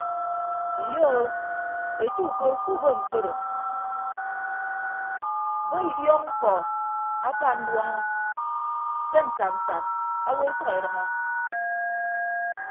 Iyo o ete uko kuubo ntoro bo idiọk mkpọ aka nduọñọ ke nsan nsan awo esʌk edʌñọ.